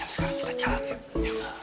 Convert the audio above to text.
sekarang kita jalan em